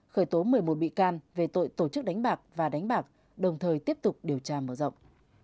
khởi tố một mươi một bị can về tội tổ chức đánh bạc và đánh bạc đồng thời tiếp tục điều tra mở rộng